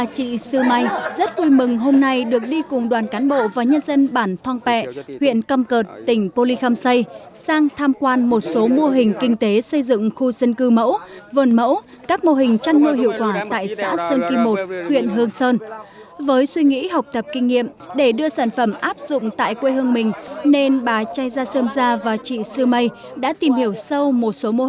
các cán bộ và người dân bản thoạn pẹ huyện cam cợt tỉnh bô ly kham say lào đã có nhiều hoạt động ý nghĩa hỗ trợ người dân xã sơn kim một huyện hương sơn tỉnh hà tĩnh phát triển kinh tế xóa đói giảm nghèo